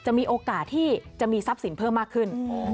มีโอกาสที่จะมีทรัพย์สินเพิ่มมากขึ้น